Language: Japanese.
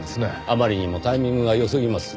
あまりにもタイミングが良すぎます。